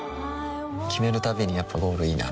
決めるたびにやっぱゴールいいなってふん